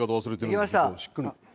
できました。